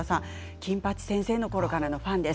「金八先生」のころからのファンです。